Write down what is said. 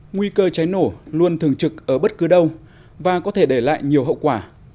nguy cơ cháy nổ luôn thường trực ở bất cứ đâu và có thể để lại nhiều hậu quả